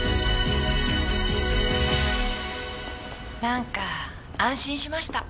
なんか安心しました。